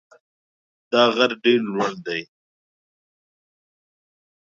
دا غر ډېر لوړ دی.